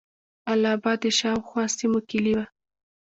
اله آباد د شاوخوا سیمو کیلي وه.